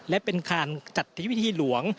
และเป็นการจัดทยวิธีหลวง